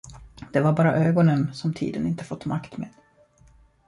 Det var bara ögonen, som tiden inte fått makt med.